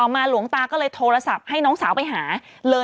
เมื่อ